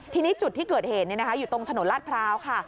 ทีนี้จุดที่เกิดเหตุอยู่ตรงถนนลาดพร้าวค่ะ